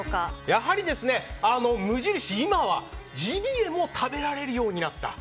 やはり無印、今はジビエも食べられるようになった。